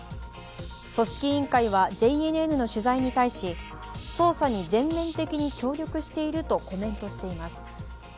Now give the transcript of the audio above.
組織委員会はＪＮＮの取材に対し、捜査に全面的に協力しているとコメントしています。